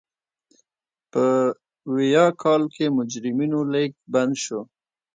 په ویاه کال کې مجرمینو لېږد بند شو.